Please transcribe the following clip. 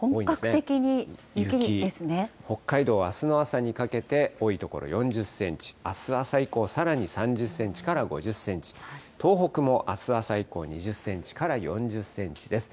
北海道はあすの朝にかけて、多い所４０センチ、あす朝以降、さらに３０センチから５０センチ、東北もあす朝以降、２０センチから４０センチです。